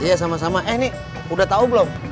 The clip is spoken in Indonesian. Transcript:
iya sama sama eh nih udah tau belum